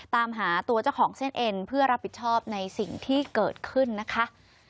ตามหาตัวเจ้าของเส้นเอ็นเพื่อรับผิดชอบในสิ่งที่เกิดขึ้นนะคะ